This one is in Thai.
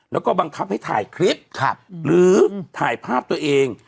แล้วก็บังคับให้ถ่ายคลิปหรือถ่ายภาพตัวเอง